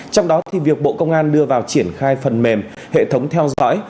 trong đó thì việc bộ công an đưa vào triển khai phần mềm hệ thống theo dõi